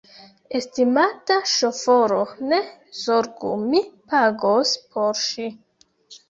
Estimata ŝoforo, ne zorgu, mi pagos por ŝi